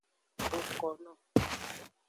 Bokono.